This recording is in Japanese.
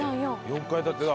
４階建てだ。